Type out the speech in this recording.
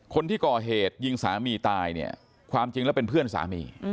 คนที่ก่อเหตุยิงสามีตายเนี่ยความจริงแล้วเป็นเพื่อนสามี